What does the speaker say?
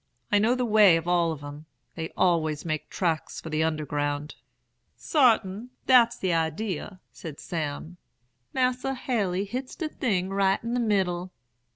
I know the way of all of 'em. They always makes tracks for the underground.' "'Sartin, dat's de idee,' said Sam. 'Mas'r Haley hits de thing right in de middle.